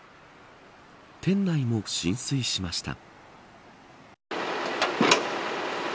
店内も浸水しました。